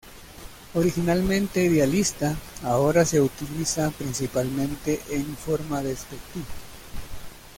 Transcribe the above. Originalmente idealista, ahora se utiliza principalmente en forma despectiva.